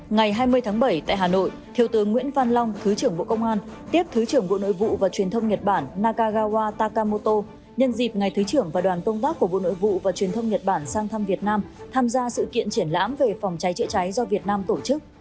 ngày hai mươi tháng bảy tại hà nội thiếu tướng nguyễn văn long thứ trưởng bộ công an tiếp thứ trưởng bộ nội vụ và truyền thông nhật bản nakagawa takamoto nhân dịp ngày thứ trưởng và đoàn công tác của bộ nội vụ và truyền thông nhật bản sang thăm việt nam tham gia sự kiện triển lãm về phòng cháy chữa cháy do việt nam tổ chức